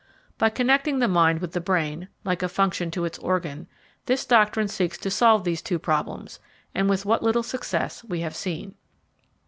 By connecting the mind with the brain, like a function to its organ, this doctrine seeks to solve these two problems, and with what little success we have seen.